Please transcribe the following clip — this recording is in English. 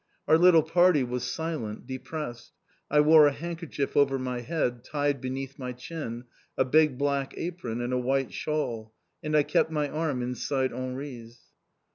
Our little party was silent, depressed. I wore a handkerchief over my head, tied beneath my chin, a big black apron, and a white shawl, and I kept my arm inside Henri's.